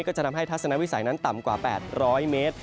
ก็จะทำให้ทัศนวิสัยนั้นต่ำกว่า๘๐๐เมตร